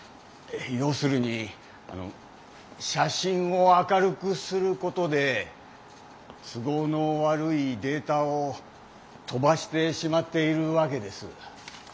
要するに写真を明るくすることで都合の悪いデータを飛ばしてしまっているわけです。